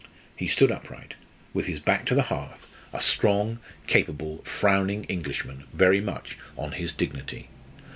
He stood upright, with his back to the hearth, a strong, capable, frowning Englishman, very much on his dignity.